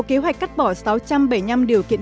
kế hoạch cắt bỏ sáu trăm bảy mươi năm điều kiện